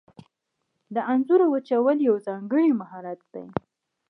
د انځرو وچول یو ځانګړی مهارت دی.